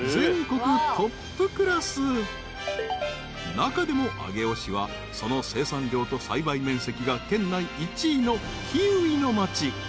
［中でも上尾市はその生産量と栽培面積が県内１位のキウイの町］